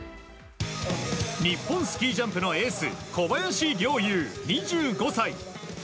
日本スキージャンプのエース小林陵侑、２５歳。